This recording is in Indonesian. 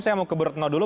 saya mau ke bertno dulu